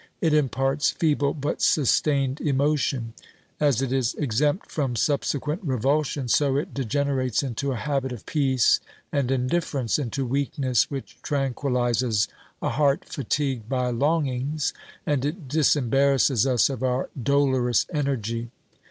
It imparts feeble but sustained emotion ; as it is exempt from subsequent revulsion, so it degenerates into a habit of peace and indifference, into weakness which tranquillises a heart fatigued by longings, and it disem barrasses us of our dolorous energy.